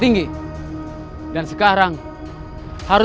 sendika gusti prabu